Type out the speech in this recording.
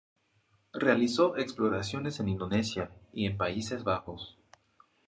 Realizó exploraciones en Indonesia, y en Países Bajos.